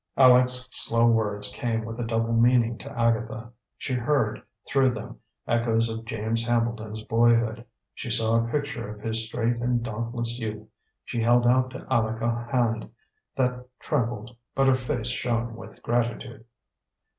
Aleck's slow words came with a double meaning to Agatha. She heard, through them, echoes of James Hambleton's boyhood; she saw a picture of his straight and dauntless youth. She held out to Aleck a hand that trembled, but her face shone with gratitude.